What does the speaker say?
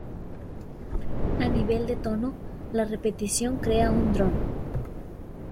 A nivel de tono la repetición crea un drone.